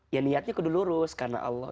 ya niatnya kudu lurus karena allah